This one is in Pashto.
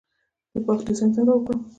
د باغ ډیزاین څنګه وکړم؟